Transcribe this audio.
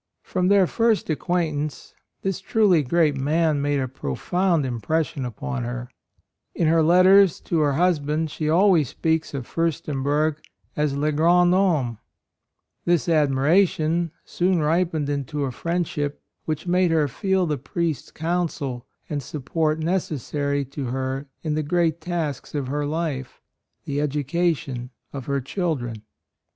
From their first acquaintance this truly great man made a pro found impression upon her. In her letters to her husband she always speaks of Furstenberg AND MOTHER. 31 as le grand homme. This ad miration soon ripened into a friendship which made her feel the priest's counsel and support necessary to her in the great task of her life — the education of her children.